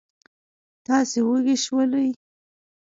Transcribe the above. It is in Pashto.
تاسې وږي شولئ.